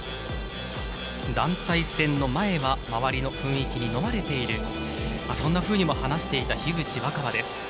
団体戦の前は周りの雰囲気にのまれているそんなふうにも話していた樋口新葉です。